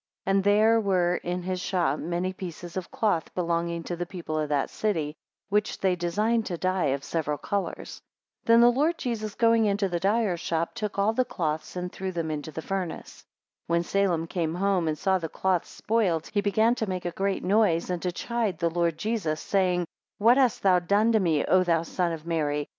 9 And there were in his shop many pieces of cloth belonging to the people of that city, which they designed to dye of several colours. 10 Then the Lord Jesus going into the dyer's shop, took all the cloths, and threw them into the furnace. 11 When Salem came home, and saw the cloths spoiled, he began to make a great noise, and to chide the Lord Jesus, saying, 12 What hast thou done to me, O thou son of Mary?